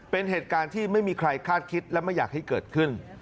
เป็นเหตุการณ์ที่ไม่มีใครคาดคิดและไม่อยากให้เกิดขึ้น